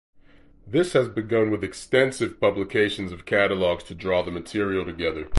This has begun with extensive publications of catalogues to draw the material together.